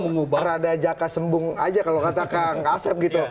meskipun rada jaka sembung saja kalau katakan asap gitu